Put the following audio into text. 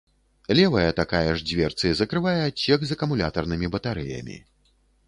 Левая такая ж дзверцы закрывае адсек з акумулятарнымі батарэямі.